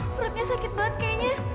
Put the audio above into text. perutnya sakit banget kayaknya